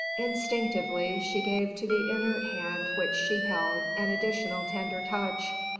Instinctively she gave to the inert hand which she held an additional tender touch.